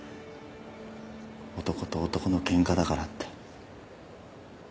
男と男のケンカだからって。